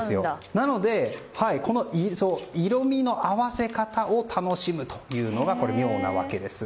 なので、色味の合わせ方を楽しむというのが妙なわけです。